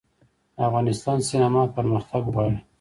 د افغانستان سینما پرمختګ غواړي